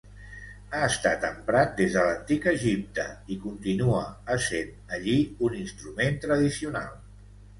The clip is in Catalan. Ha estat emprat des de l'Antic Egipte i continua essent, allí, un instrument tradicional.